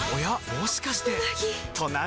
もしかしてうなぎ！